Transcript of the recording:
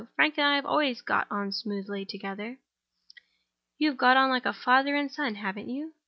Frank and I have always got on smoothly together." "You have got on like father and son, haven't you?"